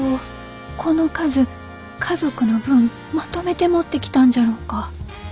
この数家族の分まとめて持ってきたんじゃろうか。